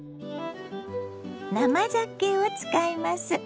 生ざけを使います。